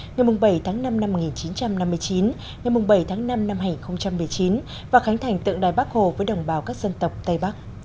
ngày bảy tháng năm năm một nghìn chín trăm năm mươi chín ngày bảy tháng năm năm hai nghìn một mươi chín và khánh thành tượng đài bắc hồ với đồng bào các dân tộc tây bắc